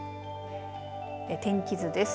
天気図です。